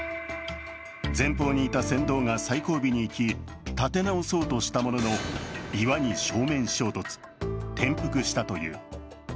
前方にいた船頭が最後尾に行き立て直そうとしたものの岩に正面衝突、転覆したという。